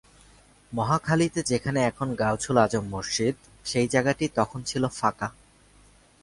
মহাখালীতে যেখানে এখন গাওছুল আজম মসজিদ, সেই জায়গাটি তখন ছিল ফাঁকা।